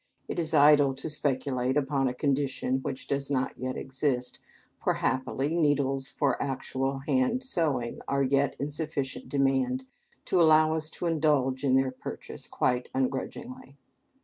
It is idle to speculate upon a condition which does not yet exist, for, happily, needles for actual hand sewing are yet in sufficient demand to allow us to indulge in their purchase quite ungrudgingly.